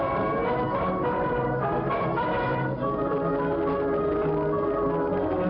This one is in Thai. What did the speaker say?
แล้วเสด็จพระอาทิตย์ดำเนินครับ